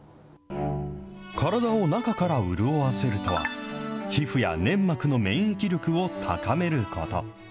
体を中から潤わせるとは、皮膚や粘膜の免疫力を高めること。